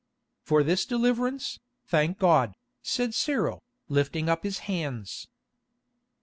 "For this deliverance, thank God," said Cyril, lifting up his hands.